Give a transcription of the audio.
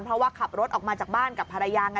เพราะว่าขับรถออกมาจากบ้านกับภรรยาไง